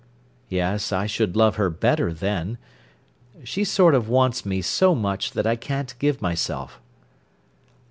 "Yes; I should love her better then. She sort of wants me so much that I can't give myself."